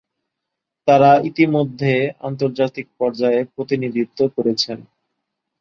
তারা ইতোমধ্যে আন্তর্জাতিক পর্যায়ে প্রতিনিধিত্ব করেছেন।